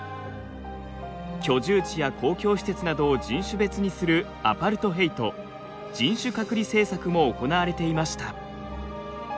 居住地や公共施設などを人種別にするアパルトヘイト人種隔離政策も行われていました。